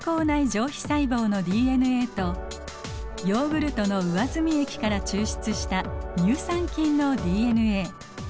上皮細胞のＤＮＡとヨーグルトの上澄み液から抽出した乳酸菌のＤＮＡ。